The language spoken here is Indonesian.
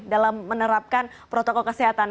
dalam menerapkan protokol kesehatan